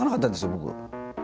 僕。